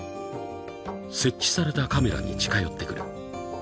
［設置されたカメラに近寄ってくる］